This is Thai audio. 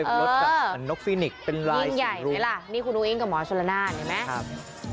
เออรถกับนกฟินิคเป็นรายสิบรูนี่คุณอุ้งอิงกับหมอชลนานเห็นไหมครับ